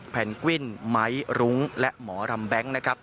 แพ็นกวิ่นม้าย์รุ้งและหมอรำแบ็งก์นะครับ